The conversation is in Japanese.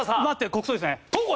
国葬ですね。